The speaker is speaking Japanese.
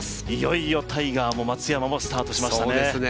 いよいよ、タイガーも松山もスタートしましたね。